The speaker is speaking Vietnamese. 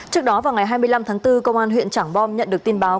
trước đó vào ngày hai mươi năm tháng bốn công an huyện trảng bom nhận được tin báo